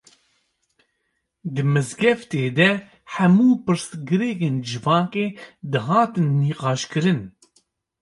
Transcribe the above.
Di mizgeftê de hemû pirsgirêkên civakê, dihatin niqaş kirin